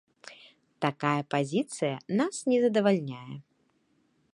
Такая пазіцыя нас не задавальняе.